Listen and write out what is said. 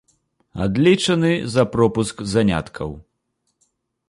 Адлічаны за пропуск заняткаў.